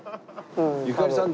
ゆかりさん